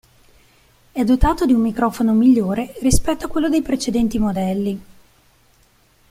È dotato di un microfono migliore rispetto a quello dei precedenti modelli.